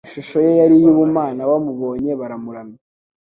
ishusho ye yari iy'ubumana, bamubonye baramuramya.